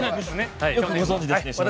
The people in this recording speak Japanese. よくご存じですね。